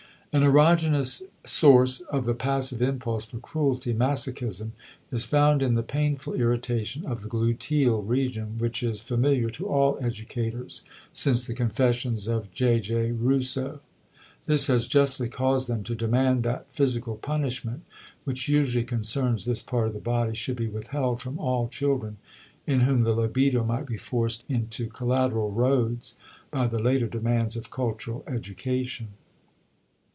An erogenous source of the passive impulse for cruelty (masochism) is found in the painful irritation of the gluteal region which is familiar to all educators since the confessions of J.J. Rousseau. This has justly caused them to demand that physical punishment, which usually concerns this part of the body, should be withheld from all children in whom the libido might be forced into collateral roads by the later demands of cultural education.